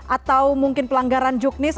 atau mungkin pelanggaran juknis